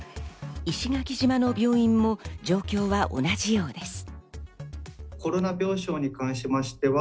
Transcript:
石垣島の病院も状況は同じようです。